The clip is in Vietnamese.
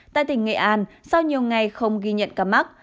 tại tỉnh nghệ an sau nhiều ngày không ghi nhận ca mắc